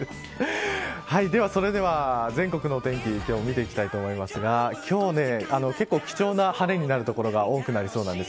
では、全国のお天気見ていきたいと思いますが結構、貴重な晴れになる所が多くなりそうです。